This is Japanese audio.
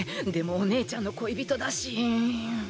でもお姉ちゃんの恋人だし。